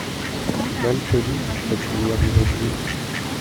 Maltenu Cette première du Vaudeville ?